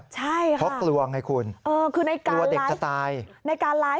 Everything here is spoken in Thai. ใช่ค่ะเพราะกลัวไงคุณกลัวเด็กจะตายในการไลฟ์